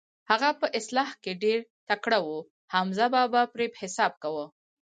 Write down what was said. هغه په اصلاح کې ډېر تکړه و، حمزه بابا پرې حساب کاوه.